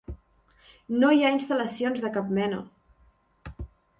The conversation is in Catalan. No hi ha instal·lacions de cap mena.